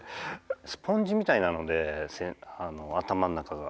スポンジみたいなので頭の中が。